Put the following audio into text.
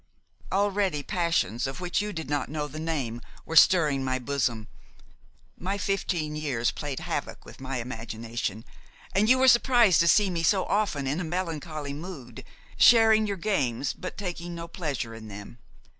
Already passions of which you did not know the name were stirring my bosom; my fifteen years played havoc with my imagination, and you were surprised to see me so often in a melancholy mood, sharing your games, but taking no pleasure in them.